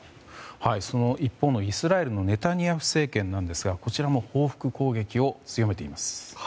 一方のイスラエルのネタニヤフ政権なんですがこちらも報復攻撃を強めています。